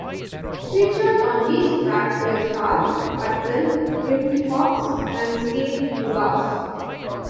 Featured on these tracks were Starr, Hudson, Jim Cox and Steve Dudas.